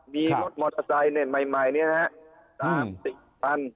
มีรถมอเตอร์ไซค์เนี่ยใหม่เนี่ยฮะ๓๐๐๐๐บาท